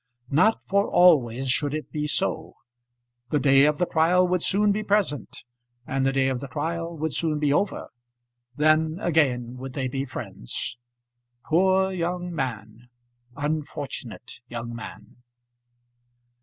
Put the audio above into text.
Not for always should it be so. The day of the trial would soon be present, and the day of the trial would soon be over; then again would they be friends. Poor young man! Unfortunate young man!